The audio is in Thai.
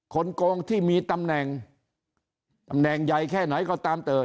โกงที่มีตำแหน่งตำแหน่งใหญ่แค่ไหนก็ตามแต่